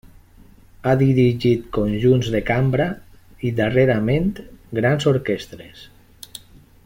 Ha dirigit conjunts de cambra i, darrerament, grans orquestres.